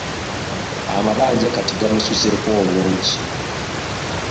Amabanja kati gamususseeko obungi.